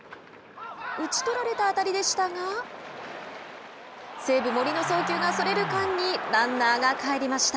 打ち取られた当たりでしたが西武森の送球がそれる間にランナーが帰りました。